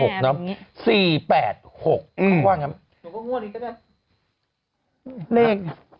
ก็ว่างั้น